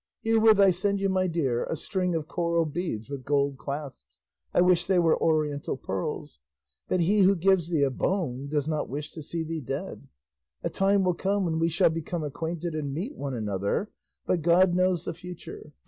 Herewith I send you, my dear, a string of coral beads with gold clasps; I wish they were Oriental pearls; but "he who gives thee a bone does not wish to see thee dead;" a time will come when we shall become acquainted and meet one another, but God knows the future.